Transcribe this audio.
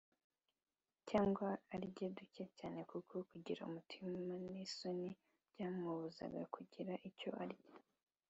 cyangwa arya duke cyane kuko kugira umutima n’isoni byamubuzaga kugira icyo arya.